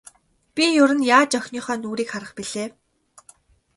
Би ер нь яаж охиныхоо нүүрийг харах билээ.